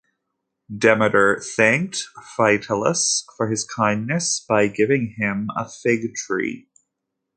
Demeter thanked Phytalus for his kindness by giving him a fig-tree.